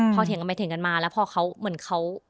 พอเถียงกันมาแล้วพอเขาเหมือนเขา